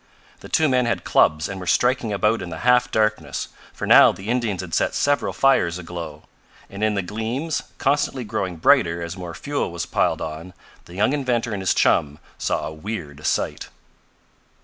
The two men had clubs and were striking about in the half darkness, for now the Indians had set several fires aglow. And in the gleams, constantly growing brighter as more fuel was piled on, the young inventor and his chum saw a weird sight.